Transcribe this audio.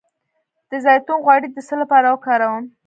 د زیتون غوړي د څه لپاره وکاروم؟